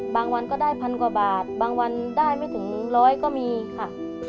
วันก็ได้พันกว่าบาทบางวันได้ไม่ถึงร้อยก็มีค่ะ